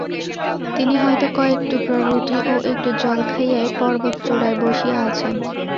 তিনি হয়তো কয়েক টুকরা রুটি ও একটু জল খাইয়াই পর্বতচূড়ায় বসিয়া আছেন।